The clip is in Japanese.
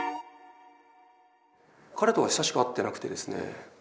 彼とは久しく会ってなくてですね。